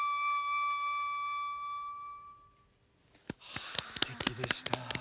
ああすてきでした。